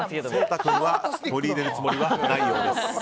颯太君は取り入れるつもりはないようです。